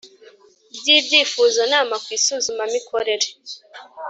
Ry ibyifuzonama ku isuzumamikorere